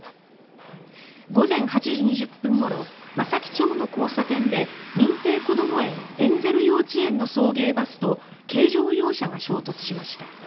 午前８時２０分ごろ松前町の交差点で認定こども園エンゼル幼稚園の送迎バスと軽乗用車が出合い頭に衝突しました。